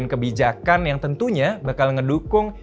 kebijakan yang tentunya bakal ngedukung